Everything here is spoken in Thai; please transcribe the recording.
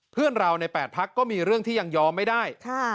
เพื่อนเราใน๘พักก็มีเรื่องที่ยังยอมไม่ได้